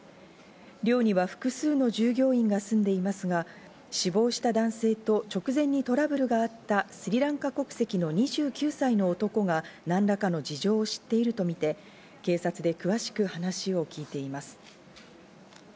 寮には複数の従業員が住んでいますが、死亡した男性と直前にトラブルがあったスリランカ国籍の２９歳の男が何らかの事情を知っているとみて警察で詳しく話を聞いています。